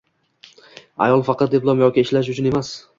Ayol faqat diplom yoki ishlash uchun emas